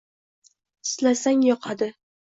- Silasang yoqadi;